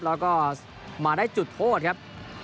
แล้วก็มาได้จุดโทษครับ